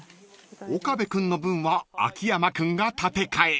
［岡部君の分は秋山君が立て替え］